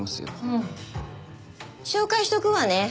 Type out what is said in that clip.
うん。紹介しとくわね。